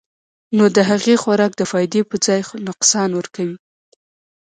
نو د هغې خوراک د فائدې پۀ ځائے نقصان ورکوي -